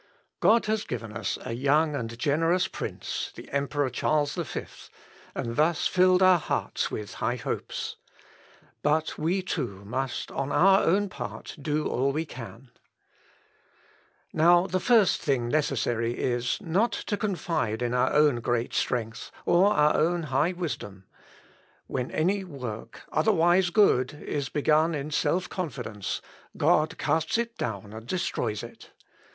God has given us a young and generous prince, (the Emperor Charles V,) and thus filled our hearts with high hopes. But we too must, on our own part, do all we can. Gott hat uns ein junges edles Blut zum Haupt gegeben. (Ibid., p. 457.) "Now, the first thing necessary is, not to confide in our own great strength, or our own high wisdom. When any work otherwise good is begun in self confidence, God casts it down, and destroys it.